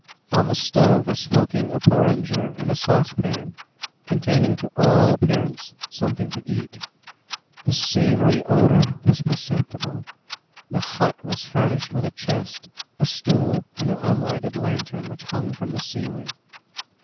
On the stove were smoking a porringer and a saucepan, containing to all appearance something to eat. The savoury odour was perceptible. The hut was furnished with a chest, a stool, and an unlighted lantern which hung from the ceiling.